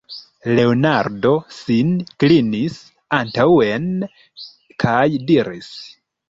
Leonardo sin klinis antaŭen kaj diris: